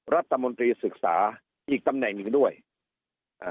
รัฐมนตรีศึกษาอีกตำแหน่งหนึ่งด้วยอ่า